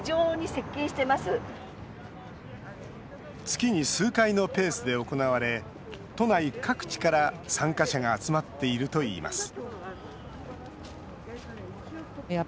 月に数回のペースで行われ都内各地から参加者が集まっているといいます